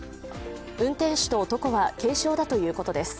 運転手と男は軽傷だということです。